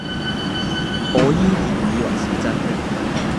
我依然以為是真的